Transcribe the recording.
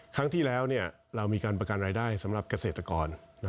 ครั้งที่แล้วเรามีการประกันรายได้สำหรับเกษตรกร